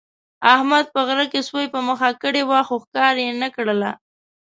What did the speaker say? احمد په غره کې سویه په مخه کړې وه، خو ښکار یې نه کړله.